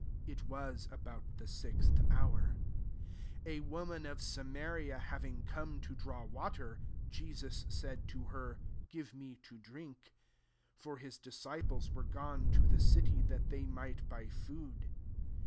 (It was about the sixth hour.) 7 A woman of Samaria hav ing come to draw water, Je sus said to her, •• Give me to drink." 8 (For his disciples were gone to the city, that they might buy food.)